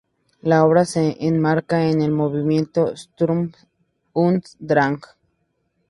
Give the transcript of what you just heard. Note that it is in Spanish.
La obra se enmarca en el movimiento Sturm und Drang.